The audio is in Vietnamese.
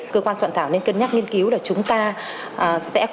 cơ quan trọng tạo nên kinh nhắc nghiên cứu là chúng ta sẽ quy định